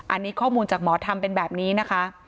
อันนี้ข้อมูลจากหมอธรรมเป็นแบบนี้นะคะ